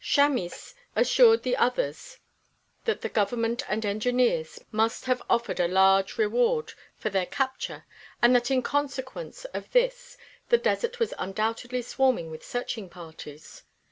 Chamis assured the others that the Government and engineers must have offered a large reward for their capture and that in consequence of this the desert was undoubtedly swarming with searching parties.